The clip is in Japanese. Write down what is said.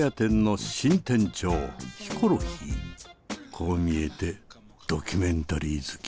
こう見えてドキュメンタリー好き。